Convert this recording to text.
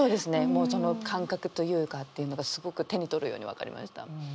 もうその感覚というかっていうのがすごく手に取るように分かりました。